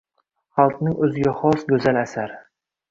Xalqning o’ziga xos go’zal asari.